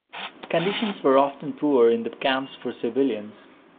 Conditions were often poor in the camps for civilians.